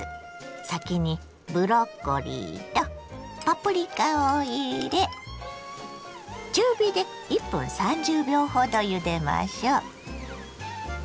先にブロッコリーとパプリカを入れ中火で１分３０秒ほどゆでましょ。